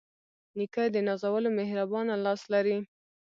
نیکه د نازولو مهربانه لاس لري.